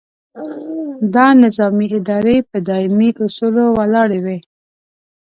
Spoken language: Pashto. دا نظامي ادارې په دایمي اصولو ولاړې وي.